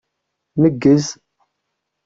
Neggez!